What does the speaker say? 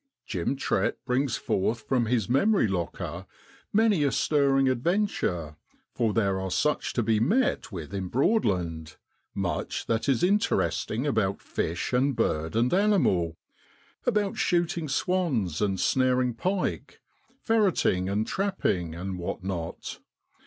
Jim Trett brings forth from his memory locker many a stirring adventure, for there are such to be met with in Broadland, much that is interesting about fish and bird and animal, about shooting swans and snaring pike, ferreting and trapping, and what not